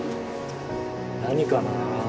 何かなぁ。